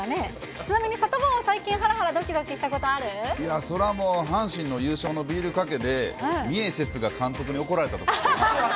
ちなみにサタボーは最近ハラいや、それはもう阪神の優勝のビールかけで、ミエセスが監督に怒られたこと。